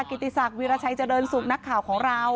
กิติศักดิราชัยเจริญสุขนักข่าวของเรา